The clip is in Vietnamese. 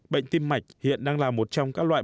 bệnh tim mạch hiện đang là một trong các loại